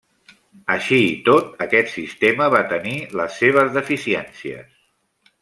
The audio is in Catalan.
Així i tot, aquest sistema va tenir les seves deficiències.